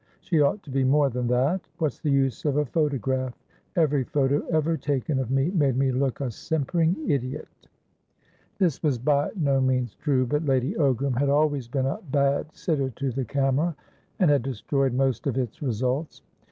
She ought to be more than that. What's the use of a photograph? Every photo ever taken of me made me look a simpering idiot." This was by no means true, but Lady Ogram had always been a bad sitter to the camera, and had destroyed most of its results.